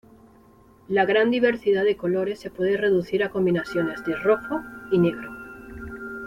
La gran diversidad de colores se puede reducir a combinaciones de "rojo" y "negro".